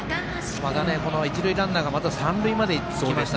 一塁ランナーが三塁まで行きました。